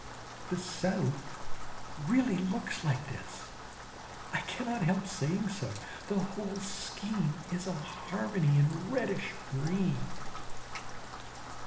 The South really looks like this, I cannot help saying so. The whole scheme is a harmony in reddish green.